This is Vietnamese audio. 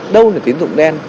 đâu là tín tùng đen